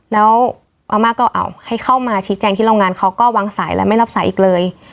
แล้วอาม่าก็เอาให้เข้ามาชี้แจงที่โรงงานเขาก็วางสายแล้วไม่รับสายอีกเลย